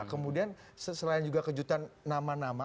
kemudian selain juga kejutan nama nama